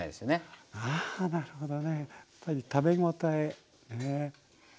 あなるほどね。やっぱり食べ応え。